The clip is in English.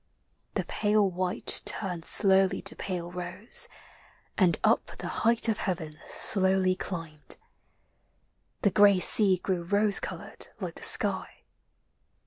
The pale white Turned slowly to pale rose, and up the height Of heaven slowly climbed. The gray sea grew Rose colored like the sky.